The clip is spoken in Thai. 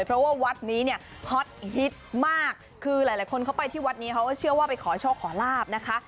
เพราะว่าวัดนี้เนี่ยฮอตฮิตมากคือหลายคนเข้าไปที่วัดนี้เขาก็เชื่อว่าไปขอโชคขอลาบนะคะ